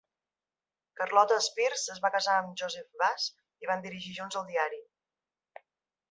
Charlotta Spears es va casar amb Joseph Bass i van dirigir junts el diari.